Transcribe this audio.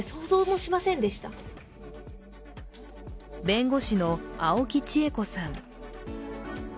弁護士の青木千恵子さん。